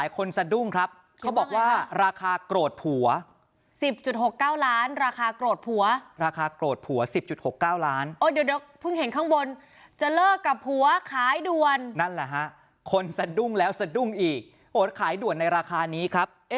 คนสะดุ้งแล้วสะดุ้งอีกขายด่วนในราคานี้ครับ